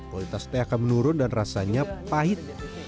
kualitas teh akan menurun dan rasanya pahit